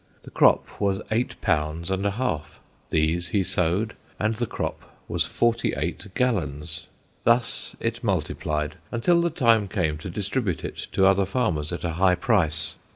The crop was eight pounds and a half. These he sowed, and the crop was forty eight gallons. Thus it multiplied, until the time came to distribute it to other farmers at a high price.